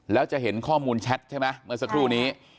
แล้วจะเห็นข้อมูลแชทใช่ไหมเมื่อสักครู่นี้